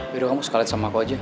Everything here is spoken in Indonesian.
aduh kamu sekalian sama aku aja